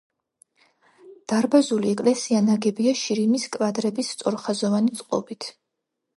დარბაზული ეკლესია ნაგებია შირიმის კვადრების სწორხაზოვანი წყობით.